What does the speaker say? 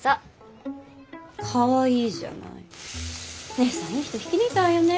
姉さんいい人引き抜いたわよね。